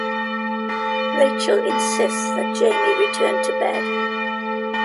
Rachel insists that Jamie return to bed.